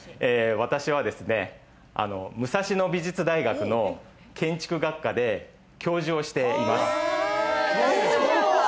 私はですね、武蔵野美術大学の建築学科で教授をしています。